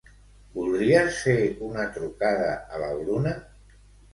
Voldries fer una trucada a la Bruna?